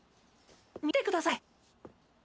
見てください！